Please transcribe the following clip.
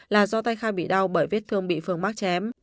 là do tay khai bị đau bởi viết thương bị phương mắc chém